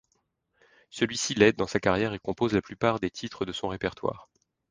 Celui-ci l'aide dans sa carrière et compose la plupart des titres de son répertoire.